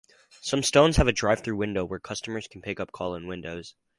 Some stores have a drive-thru window where customers can pick up call-in orders.